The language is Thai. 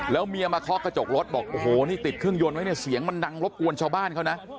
แล้วเมียมาเคาะกระจกรถบอกโอ้โหนี่ติดเครื่องยนต์ไว้เนี่ยเสียงมันดังรบกวนชาวบ้านเขานะ